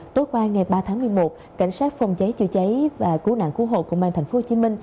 tối qua ngày ba tháng một mươi một cảnh sát phòng cháy chữa cháy và cứu nạn cứu hộ công an tp hcm